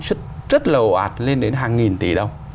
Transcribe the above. xuất rất là ổ ạt lên đến hàng nghìn tỷ đồng